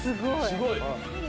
すごい！